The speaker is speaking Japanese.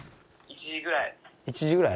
「１時ぐらい」